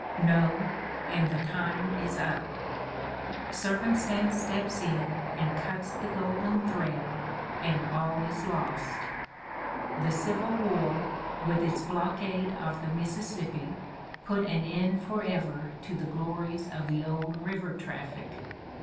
No, and the time is up. Circumstance steps in and cuts the golden thread, and all is lost. V'The Civil War, with its blockade of the Mississippi, put an end forever to the glories of the old river traffic.